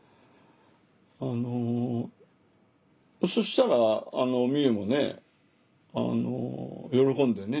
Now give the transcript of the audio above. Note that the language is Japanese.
あのそしたら美夢もね喜んでね。